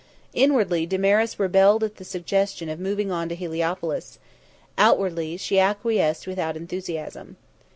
Inwardly Damaris rebelled at the suggestion of moving on to Heliopolis; outwardly she acquiesced without enthusiasm.